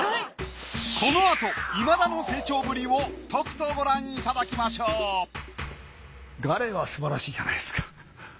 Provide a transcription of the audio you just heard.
このあと今田の成長ぶりをとくとご覧いただきましょうガレはすばらしいじゃないですか。